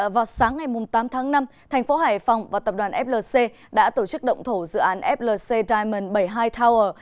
vào sáng ngày tám tháng năm thành phố hải phòng và tập đoàn flc đã tổ chức động thổ dự án flc diamond bảy mươi hai tower